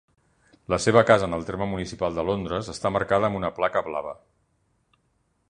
La seva casa en el terme municipal de Londres està marcada amb una placa blava.